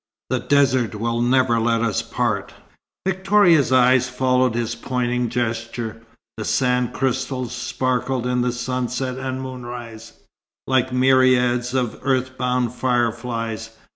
The desert will never let us part." Victoria's eyes followed his pointing gesture. The sand crystals sparkled in the sunset and moonrise, like myriads of earthbound fireflies.